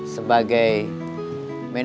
sebagai manajer promosi dan pemasaran